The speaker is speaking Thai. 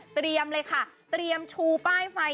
เตรียมเลยค่ะเตรียมทูลป้ายไฟ